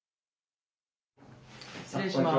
失礼します。